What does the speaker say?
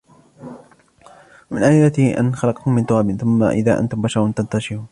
وَمِنْ آيَاتِهِ أَنْ خَلَقَكُمْ مِنْ تُرَابٍ ثُمَّ إِذَا أَنْتُمْ بَشَرٌ تَنْتَشِرُونَ